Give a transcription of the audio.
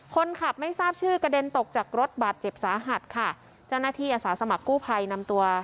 คนขับไม่ทราบชื่อกระเด็นตกจากรถบาดเจ็บสาหัสค่ะเจ้าหน้าที่อาสาสมัครกู้ภัยนำตัว